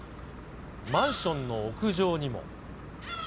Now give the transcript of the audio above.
マンションの屋上にも。